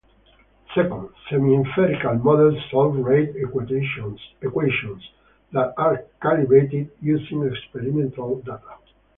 Second, semi-empirical models solve rate equations that are calibrated using experimental data.